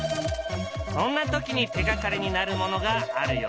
そんなときに手がかりになるものがあるよ。